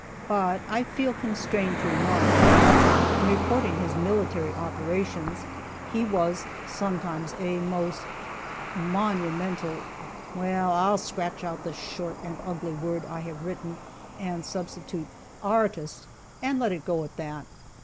But I feel constrained to remark that, in reporting his military operations, he was, sometimes, a most monumental well, I'll scratch out the "short and ugly" word I have written, and substitute "artist," and let it go at that.